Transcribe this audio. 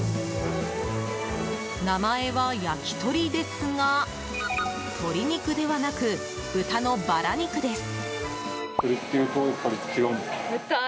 名前はやきとりですが鶏肉ではなく豚のバラ肉です。